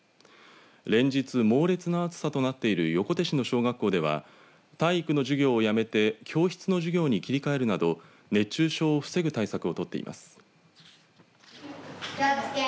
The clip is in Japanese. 連日猛烈な暑さとなっている横手市の小学校では体育の授業をやめて教室の授業に切り替えるなど熱中症を防ぐ対策をとっています。